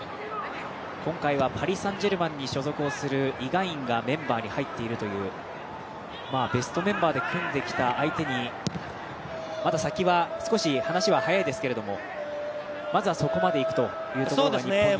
今回はパリ・サン＝ジェルマンに所属する選手がメンバーに入っているというベストメンバーで組んできた相手にまだ先は、少し話は早いですがまずはそこまで行くというところが日本にはあります。